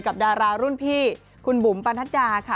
ดารารุ่นพี่คุณบุ๋มปนัดดาค่ะ